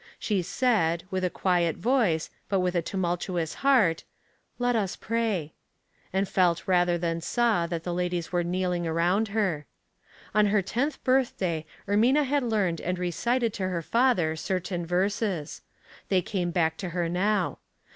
She said, with a quiet voice, but with a tumultuous heart, "Let us pray," and felt rather than saw that the ladies were kneeling around her. On her tenth birthday Ermina had learned and recited to her father certain verses. They came back to her now.